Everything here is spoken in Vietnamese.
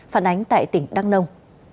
phản ánh tại tỉnh đăng nông